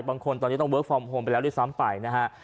บางคนตอนนี้ต้องเวิร์คฟอร์มโฮมไปแล้วด้วยซ้ำไปนะฮะ